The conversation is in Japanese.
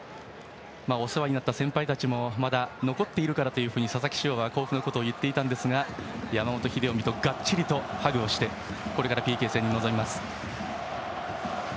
お世話になった先輩たちもまだ残っているからというふうに佐々木は言っていたんですが山本英臣とがっちりハグをしてこれからＰＫ戦に臨みます。